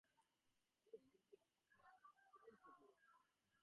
Muslims, Hindus and Christians form the core population.